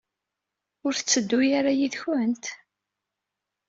Ur tetteddu ara yid-kent?